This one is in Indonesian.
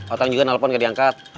otang juga nelfon nggak diangkat